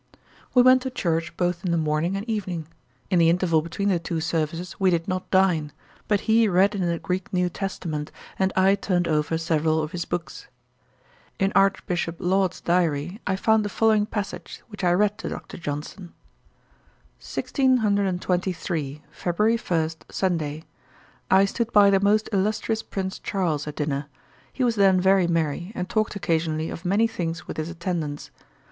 We went to church both in the morning and evening. In the interval between the two services we did not dine; but he read in the Greek New Testament, and I turned over several of his books. In Archbishop Laud's Diary, I found the following passage, which I read to Dr. Johnson: '1623. February 1, Sunday. I stood by the most illustrious Prince Charles, at dinner. He was then very merry, and talked occasionally of many things with his attendants.